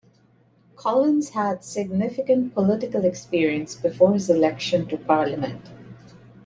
Collins had significant political experience before his election to Parliament.